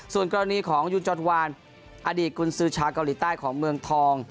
ส่วนกรณีของยูนจอนวานอดีตกุญสือชาวเกาหลีใต้ของเมืองทอง